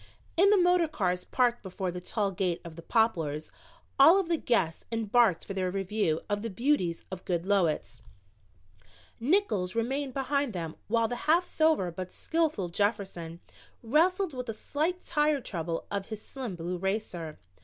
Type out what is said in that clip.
In the motor cars parked before the tall gate of the Poplars all of the guests embarked for their review of the beauties of Goodloets. Nickols remained behind them while the half sober but skillful Jefferson wrestled with a slight tire trouble of his slim blue racer.